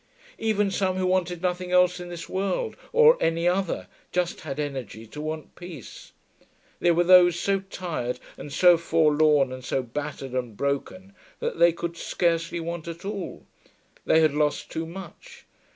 Even some who wanted nothing else in this world or any other just had energy to want peace. There were those so tired and so forlorn and so battered and broken that they could scarcely want at all; they had lost too much.